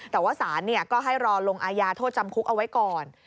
แต่ว่าศาลก็ให้รอลงอาญาโทษจำคุกเอาไว้ก่อน